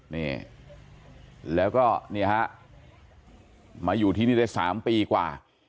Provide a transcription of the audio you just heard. นี่แล้วก็นี่ครับมาอยู่ที่นี่เลย๓ปีกว่า